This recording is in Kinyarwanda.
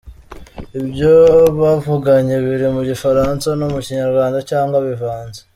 Ibyo bavuganye biri mu gifaransa no mu kinyarwanda cyangwa bivanze.